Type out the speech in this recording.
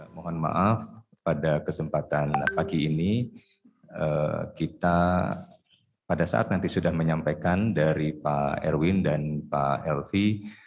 mohon maaf pada kesempatan pagi ini kita pada saat nanti sudah menyampaikan dari pak erwin dan pak elvi